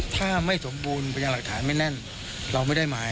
ถ้าไม่สมบูรณ์พยานหลักฐานไม่แน่นเราไม่ได้หมาย